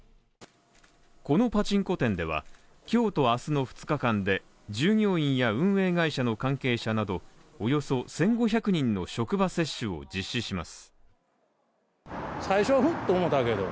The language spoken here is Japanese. このパチンコ店では今日と明日の２日間で従業員や運営会社の関係者などおよそ１５００人の職場接種を実施します